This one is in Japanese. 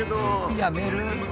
やめる？